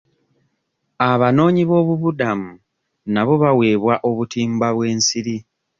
Abanoonyi b'obubuddamu nabo baweebwa obutimba bw'ensiri.